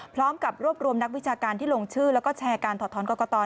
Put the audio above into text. พร้อมกับรวบรวมนักวิชาการที่ลงชื่อแล้วก็แชร์การถอดท้อนกรกต